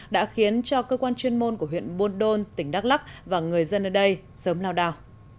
đã khiến cho cơ quan chuyên môn của huyện buôn đôn tỉnh đắk lắc và người dân ở đây sớm lao đào